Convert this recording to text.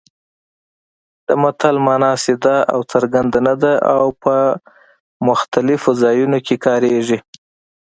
د متل مانا سیده او څرګنده نه ده او په مختلفو ځایونو کې کارېږي